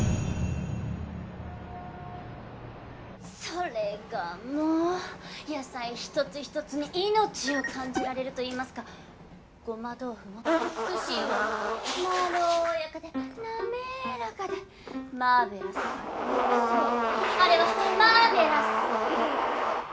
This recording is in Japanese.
それがもう野菜一つ一つに命を感じられるといいますかごま豆腐も美しい上にまろやかで滑らかでマーベラスそうあれはマーベラス！